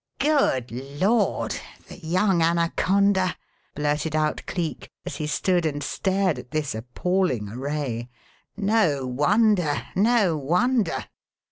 "Good Lord! The young anaconda!" blurted out Cleek, as he stood and stared at this appalling array. "No wonder, no wonder!"